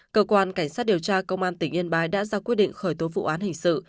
cơ quan cảnh sát điều tra công an tỉnh yên bái đã ra quyết định khởi tố vụ án hình sự